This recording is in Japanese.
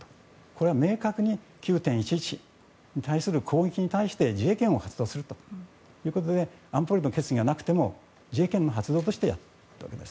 あれは明確に９・１１に対する攻撃に対して自衛権を発動するということで安保理の決議がなくても自衛権の発動としてやった。